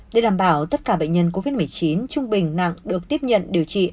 để đảm bảo tất cả bệnh nhân covid một mươi chín trung bình nặng được tiếp nhận điều trị